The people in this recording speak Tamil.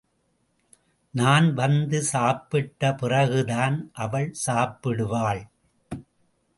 நான் வந்து சாப்பிட்ட பிறகுதான் அவள் சாப்பிடுவாள்.